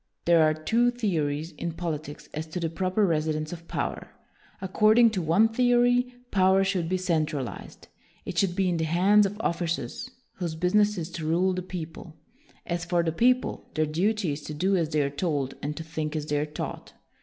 There are two theories in politics as to the proper residence of power. Accord ing to one theory, power should be cen tralized; it should be in the hands of officers whose business is to rule the peo ple; as for the people, their duty is to do as they are told and to think as they are taught.